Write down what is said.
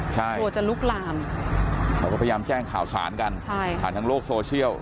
กลัวจะลุกลามเขาก็พยายามแจ้งข่าวสารกันผ่านทางโลกโซเชียล